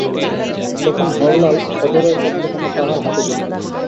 তখন হরলাল অধরের পত্রখানা তাঁহার হাতে দিল।